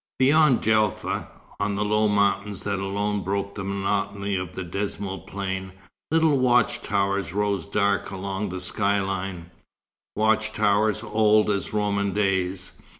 Beyond Djelfa, on the low mountains that alone broke the monotony of the dismal plain, little watch towers rose dark along the sky line watch towers old as Roman days.